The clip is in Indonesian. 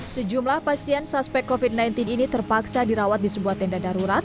sejumlah pasien suspek covid sembilan belas ini terpaksa dirawat di sebuah tenda darurat